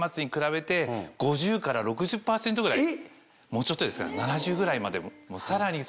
もうちょっとですかね７０ぐらいまで。